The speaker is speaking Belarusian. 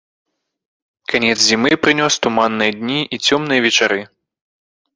Канец зімы прынёс туманныя дні і цёмныя вечары.